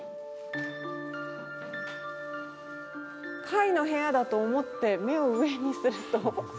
貝の部屋だと思って目を上にするとこれは？